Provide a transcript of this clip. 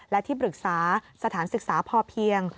และที่ปรึกษาสถานศึกษาพอเพียง